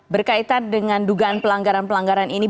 berkaitan dengan dugaan pelanggaran pelanggaran ini